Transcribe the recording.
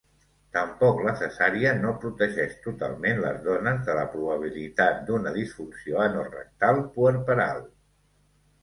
Tampoc la cesària no protegeix totalment les dones de la probabilitat d'una disfunció anorectal puerperal.